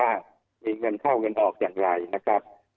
ว่ามีคำเทิดเข้าคำเทิดออกจากใคร